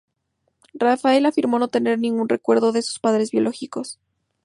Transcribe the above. Rafael afirmó no tener ningún recuerdo de sus padres biológicos.